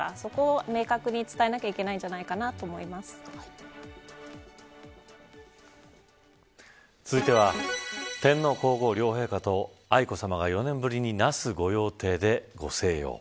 そこを明確に伝えなきゃいけないんじゃないかと続いては、天皇皇后両陛下と愛子さまが４年ぶりに那須御用邸でご静養。